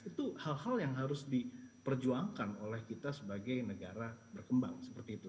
itu hal hal yang harus diperjuangkan oleh kita sebagai negara berkembang seperti itu